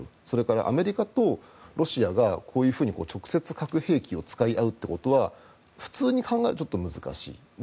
それからアメリカとロシアがこういうふうに直接核兵器を使い合うことは普通に考えるとちょっと難しい。